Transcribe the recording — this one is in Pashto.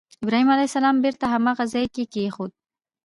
ابراهیم علیه السلام بېرته هماغه ځای کې کېښود.